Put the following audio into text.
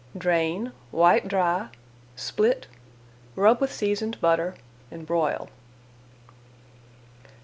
Drain, wipe dry, split, rub with seasoned butter, and broil.